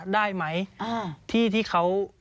ได้ไหมที่ที่เขา